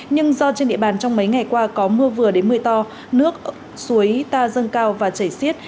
nhưng do trên địa bàn trong mấy ngày qua có mưa vừa đến mưa to nước suối ta dâng cao và chảy xiết